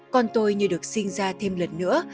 con tôi như được sinh ra thêm lần nữa